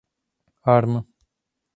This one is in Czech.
Arm